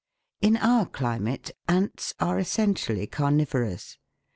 In our climate ants are essentially carnivorous.